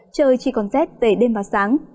trời chỉ còn rét về đêm và sáng